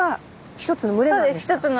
一つの群れです。